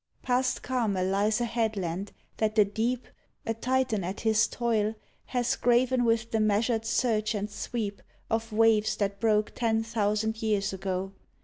Past Carmel lies a headland that the deep — A Titan at his toil — Has graven with the measured surge and sweep Of waves that broke ten thousand years ago.